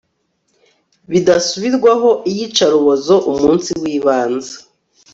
bidasubirwaho iyicarubozo umunsi wibanze